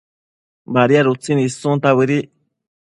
Badiad utsin issunta bëdic